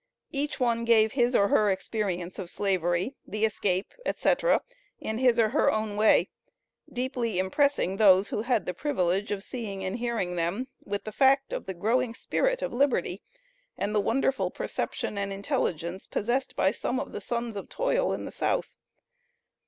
Each one gave his or her experience of Slavery, the escape, etc., in his or her own way, deeply impressing those who had the privilege of seeing and hearing them, with the fact of the growing spirit of Liberty, and the wonderful perception and intelligence possessed by some of the sons of toil in the South.